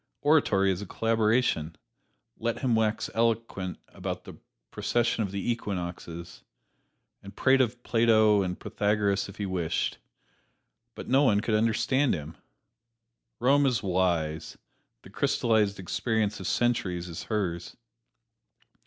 Oratory is a collaboration let him wax eloquent about the precession of the equinoxes, and prate of Plato and Pythagoras if he wished no one could understand him! Rome is wise the crystallized experience of centuries is hers.